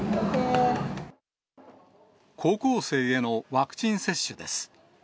高校生へのワクチン接種です。